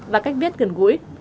và cách viết gần gũi